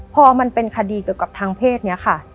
พอมันเป็นคดีเกี่ยวกับทางเพศนี้ค่ะ